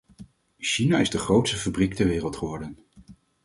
China is de grootste fabriek ter wereld geworden.